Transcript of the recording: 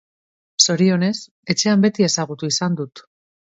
Zorionez, etxean beti ezagutu izan dut.